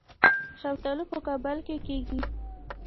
شفتالو په کابل کې کیږي